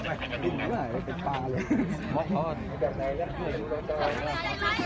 มีผู้ที่ได้รับบาดเจ็บและถูกนำตัวส่งโรงพยาบาลเป็นผู้หญิงวัยกลางคน